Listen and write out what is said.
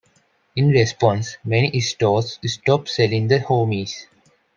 In response, many stores stopped selling the Homies.